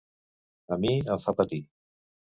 A mi em fa patir.